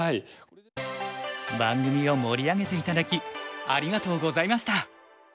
番組を盛り上げて頂きありがとうございました！